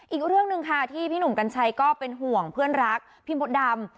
อีกเรื่องหนึ่งค่ะที่พี่หนุ่มกัญชัยก็เป็นห่วงเพื่อนรักพี่มดดำ